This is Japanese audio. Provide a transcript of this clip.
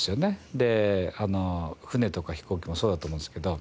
で船とか飛行機もそうだと思うんですけど。